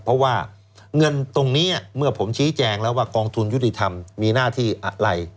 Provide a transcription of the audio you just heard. เพราะว่าเงินตรงนี้เมื่อผมชี้แจงแล้วว่ากองทุนยุติธรรมมีหน้าที่อะไร